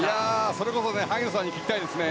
それこそ萩野さんに聞きたいですね。